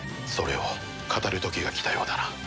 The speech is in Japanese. それを語る時が来たようだな。